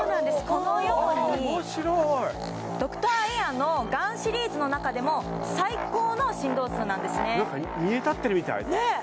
このようにドクターエアのガンシリーズの中でも最高の振動数なんですねなんか煮え立ってるみたいねえ！